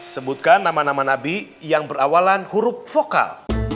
sebutkan nama nama nabi yang berawalan huruf vokal